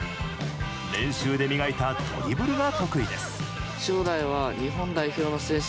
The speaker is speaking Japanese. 練習で磨いたドリブルが得意です。